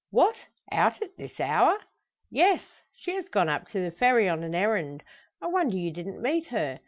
"What! Out at this hour?" "Yes; she has gone up to the Ferry on an errand. I wonder you didn't meet her!